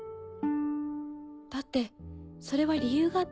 だってそれは理由があって。